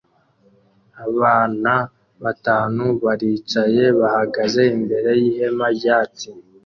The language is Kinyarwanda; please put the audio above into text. Abana batanu baricaye bahagaze imbere yihema ryatsi